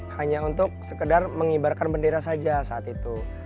hanya untuk sekedar mengibarkan bendera saja saat itu